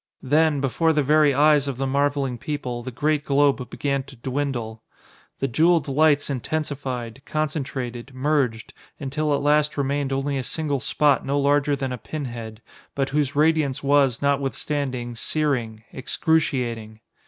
Then, before the very eyes of the marveling people, the great globe began to dwindle. The jeweled lights intensified, concentrated, merged, until at last remained only a single spot no larger than a pin head, but whose radiance was, notwithstanding, searing, excruciating.